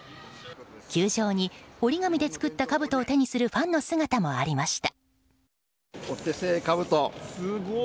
球場に折り紙で作ったかぶとを手にするファンの姿もありました。